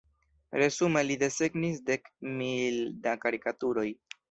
Resume li desegnis dek mil da karikaturoj.